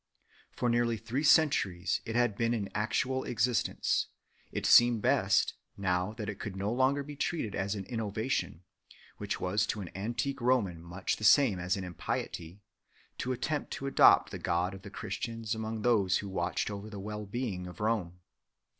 For nearly three centuries it had been in actual existence; it seemed best, now that it could no longer be treated as an innovation, which was to an antique Roman much the same as an impiety, to attempt to adopt the God of the / Christians among those who watched over the well being of Rome.